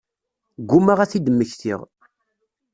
Ggumaɣ ad t-id-mmektiɣ.